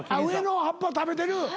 上の葉っぱ食べてる。